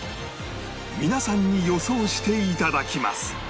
皆さんに予想して頂きます